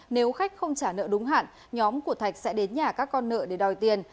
nếu khách không trả nợ đúng hạn nhóm của thạch sẽ đến nhà các con nợ để đòi tiền